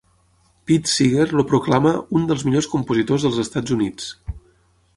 Pete Seeger el proclama "un dels millors compositors dels Estats Units".